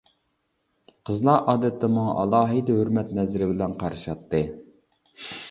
قىزلار ئادەتتە ماڭا ئالاھىدە ھۆرمەت نەزىرى بىلەن قارىشاتتى.